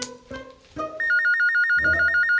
siapa lagi sih ini ya